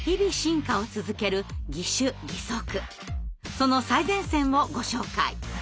その最前線をご紹介。